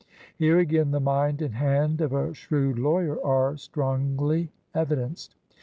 Here again the mind and hand of a shrewd lawyer are strongly evidenced.